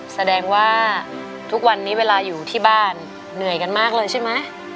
แสดงว่าทุกวันนี้เวลาอยู่ที่บ้านเหนื่อยกันมากเลยใช่ไหม